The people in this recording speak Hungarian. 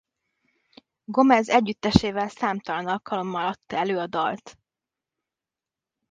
Gomez együttesével számtalan alkalommal adta elő a dalt.